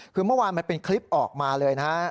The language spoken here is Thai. คือเมื่อวานมันเป็นคลิปออกมาเลยนะฮะ